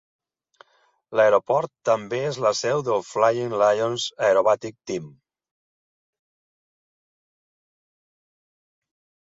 L'aeroport també és la seu del Flying Lions Aerobatic Team.